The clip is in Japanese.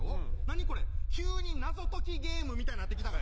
何これ急に謎解きゲームみたいになって来た。